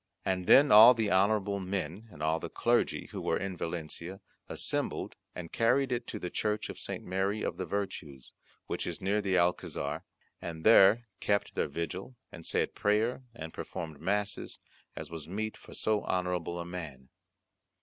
And then all the honourable men, and all the clergy who were in Valencia, assembled and carried it to the Church of St. Mary of the Virtues, which is near the Alcazar, and there kept their vigil, and said prayer and performed masses, as was meet for so honourable a man.